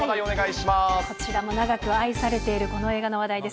こちらも長く愛されている、この映画の話題です。